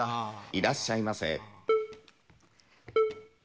いらっしゃいませ。